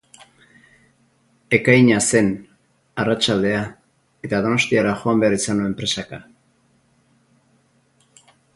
Ekaina zen, arratsaldea, eta Donostiara joan behar izan nuen presaka.